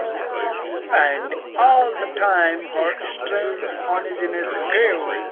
And all the time her strange uneasiness grew.